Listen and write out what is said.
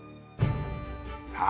さあ